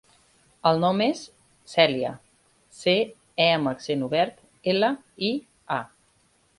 El nom és Cèlia: ce, e amb accent obert, ela, i, a.